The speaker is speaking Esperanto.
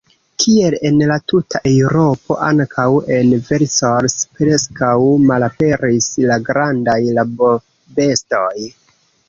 Kiel en la tuta Eŭropo, ankaŭ en Vercors preskaŭ malaperis la grandaj rabobestoj.